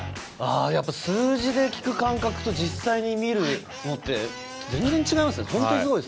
数字で聞く感覚と実際に見るのって全然違いますね。